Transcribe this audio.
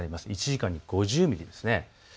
１時間に５０ミリです。